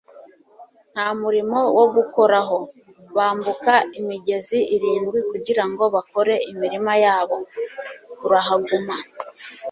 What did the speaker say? nta murimo wo gukuraho. bambuka imigezi irindwi kugirango bakore imirima yabo, - urahaguma